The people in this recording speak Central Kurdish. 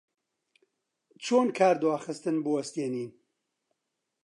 چۆن کاردواخستن بوەستێنین؟